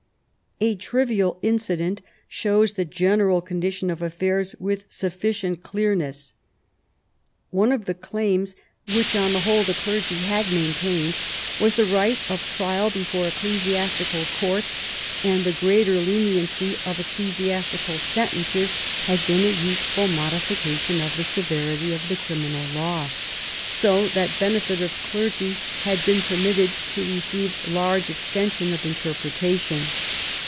A trivial incident shows the general condition of affairs with sufficient clearness. One of the claims which on the whole the clergy had maintained was the right of trial before ecclesiastical courts; and the greater leniency of ecclesiastical sentences had been a useful modification of the severity of the criminal law, so that benefit of clergy had been permitted to receive large extension of interpretation.